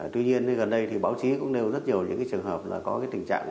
tuy nhiên gần đây báo chí cũng đều rất nhiều trường hợp có tình trạng